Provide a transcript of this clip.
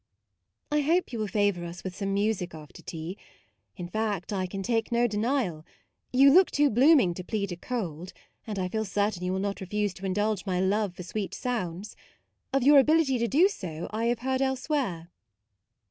"I hope you will favour us with some music after tea ; in fact, I can take no denial. You look too bloom ing to plead a cold, and I feel certain you will not refuse to indulge my love for sweet sounds. Of your ability to do so, I have heard else where."